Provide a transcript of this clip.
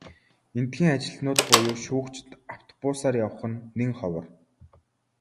Эндэхийн ажилтнууд буюу шүүгчид автобусаар явах нь нэн ховор.